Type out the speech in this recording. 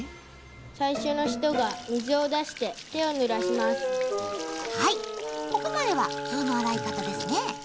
最初の人が水を出して、はい、ここまでは普通の洗い方ですね。